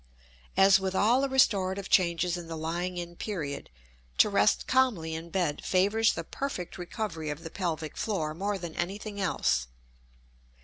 As with all the restorative changes in the lying in period, to rest calmly in bed favors the perfect recovery of the pelvic floor more than anything else.